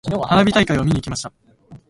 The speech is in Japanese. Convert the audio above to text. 花火大会を見に行きました。